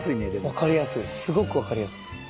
分かりやすいすごく分かりやすい。